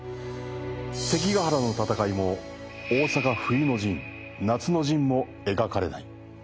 関ヶ原の戦いも大坂冬の陣・夏の陣も描かれない。